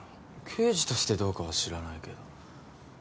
刑事としてどうかは知らないけど。